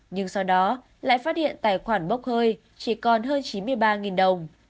nhưng sau đó lại phát hiện tài khoản bốc hơi chỉ còn hơn chín mươi ba đồng